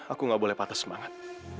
aku gak boleh patah semangat